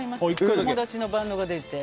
友達のバンドが出てて。